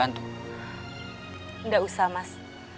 tidak usah mas